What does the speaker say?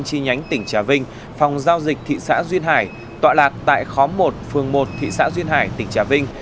chi nhánh tỉnh trà vinh phòng giao dịch thị xã duyên hải tọa lạc tại khóm một phường một thị xã duyên hải tỉnh trà vinh